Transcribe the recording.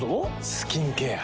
スキンケア。